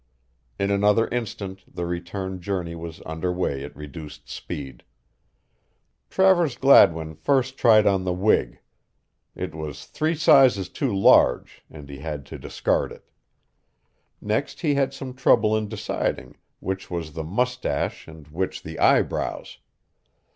In another instant the return journey was under way at reduced speed. Travers Gladwin first tried on the wig. It was three sizes too large and he had to discard it. Next he had some trouble in deciding which was the mustache and which the eyebrows.